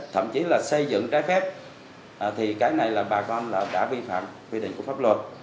thậm chí là xây dựng trái phép thì cái này là bà con là đã vi phạm quy định của pháp luật